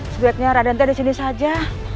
sebaiknya raden tidak disini saja